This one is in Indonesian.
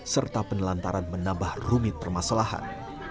serta penelantaran menambah rumit permasalahan